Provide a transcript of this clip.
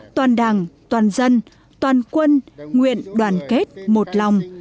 toàn đảng toàn dân toàn quân nguyện đoàn kết một lòng